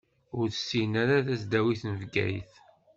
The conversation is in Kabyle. Ur tessin ara tasdawit n Bgayet.